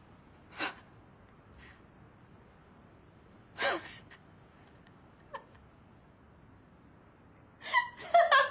ハハハハ！